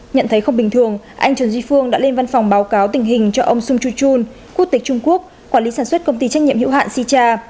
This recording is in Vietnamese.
nhận thấy không bình thường anh trần duy phương đã lên văn phòng báo cáo tình hình cho ông sung chu jun quốc tịch trung quốc quản lý sản xuất công ty trách nhiệm hiệu hạn sicha